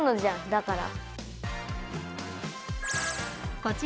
だから。